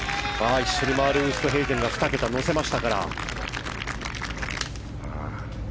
一緒に回るウーストヘイゼンが２桁乗せましたから。